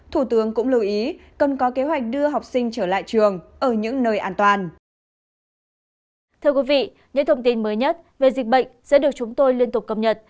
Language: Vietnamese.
thủ tướng cũng lưu ý cần có kế hoạch đưa học sinh trở lại trường ở những nơi an toàn